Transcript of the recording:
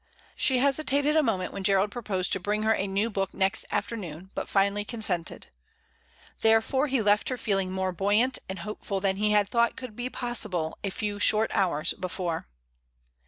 She hesitated a moment when Gerald proposed to bring her a new book next afternoon, but finally consented. Therefore, he left her feeling more buoyant and hopeful than he had thought could be possible a few short hours before.